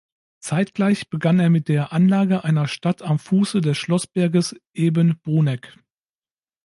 Zeitgleich begann er mit der Anlage einer Stadt am Fuße des Schlossberges, eben Bruneck.